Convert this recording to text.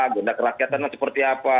genda kerakyatannya seperti apa